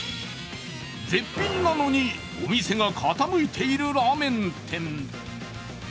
絶品なのにお店が傾いているラーメン店。